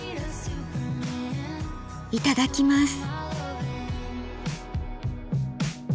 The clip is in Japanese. いただきます。